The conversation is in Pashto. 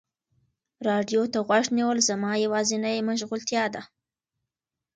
راډیو ته غوږ نیول زما یوازینی مشغولتیا ده.